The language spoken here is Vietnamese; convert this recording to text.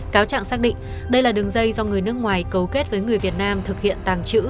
cáo trạng xác định đây là đường dây do người nước ngoài cấu kết với người việt nam thực hiện tàng trữ